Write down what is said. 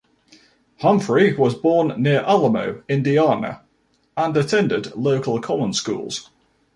Humphrey was born near Alamo, Indiana, and attended local common schools.